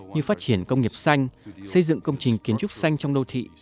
như phát triển công nghiệp xanh xây dựng công trình kiến trúc xanh trong đô thị